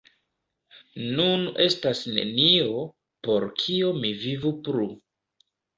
Nun estas nenio, por kio mi vivu plu“.